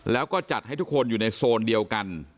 แล้วก็จัดให้ทุกคนอยู่ในโซนเดียวกัน